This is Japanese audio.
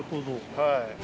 はい。